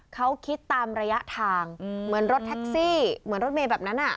เขาคิดตามระยะทางเหมือนรถแท็กซี่เหมือนรถเมย์แบบนั้น